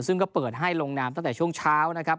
ซึ่งก็เปิดให้ลงนามตั้งแต่ช่วงเช้านะครับ